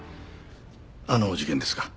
あの事件ですか。